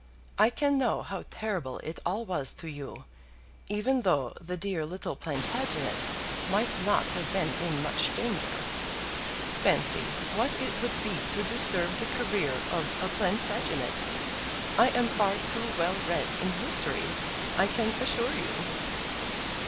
I can know how terrible it all was to you, even though the dear little Plantagenet might not have been in much danger. Fancy what it would be to disturb the career of a Plantagenet! I am far too well read in history, I can assure you."